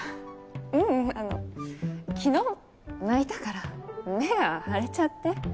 ううんあの昨日泣いたから目が腫れちゃって。